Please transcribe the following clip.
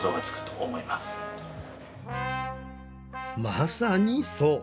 まさにそう。